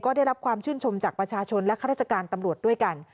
ได้รับความชื่นชมจากประชาชนและข้าราชการตำรวจด้วยกัน